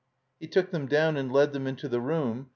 He took them down and led them into the room.